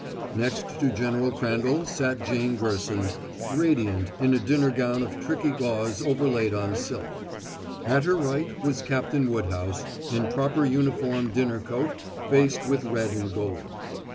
Next to General Crandall sat Jane Gerson, radiant in a dinner gown of tricky gauze overlaid on silk. At her right was Captain Woodhouse, in proper uniform dinner coat faced with red and gold.